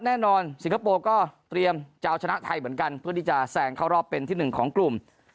สิงคโปร์ก็เตรียมจะเอาชนะไทยเหมือนกันเพื่อที่จะแซงเข้ารอบเป็นที่หนึ่งของกลุ่ม